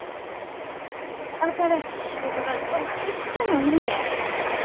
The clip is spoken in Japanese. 新しい仕事がどないしても要るねん。